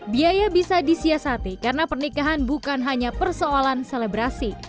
biaya bisa disiasati karena pernikahan bukan hanya persoalan selebrasi